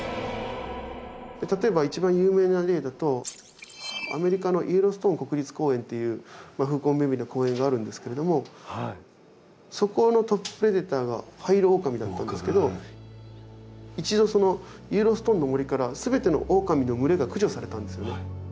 例えば一番有名な例だとアメリカのイエローストーン国立公園っていう風光明美な公園があるんですけれどもそこのトッププレデターがハイイロオオカミだったんですけど一度そのイエローストーンの森から全てのオオカミの群れが駆除されたんですよね。